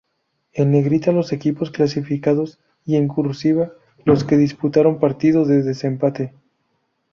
En negrita los equipos clasificados, y en "cursiva" los que disputaron partido de desempate.